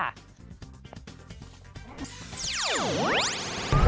บริการพิกัส